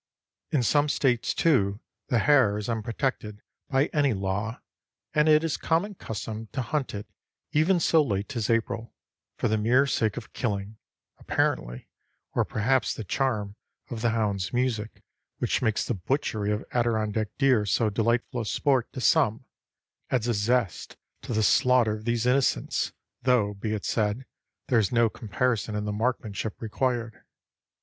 In some States, too, the hare is unprotected by any law, and it is common custom to hunt it, even so late as April, for the mere sake of killing, apparently; or perhaps the charm of the hound's music, which makes the butchery of Adirondack deer so delightful a sport to some, adds a zest to the slaughter of these innocents though, be it said, there is no comparison in the marksmanship required.